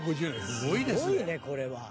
「すごいねこれは」